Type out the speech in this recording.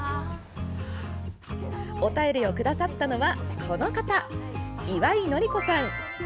お便りくださったのは、この方岩井典子さん。